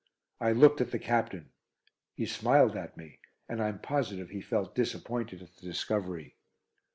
_ I looked at the Captain. He smiled at me, and I'm positive he felt disappointed at the discovery.